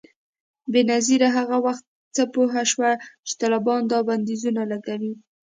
بېنظیره هغه وخت څه پوه شوه چي طالبان دا بندیزونه لګوي؟